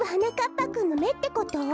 ぱくんのめってこと？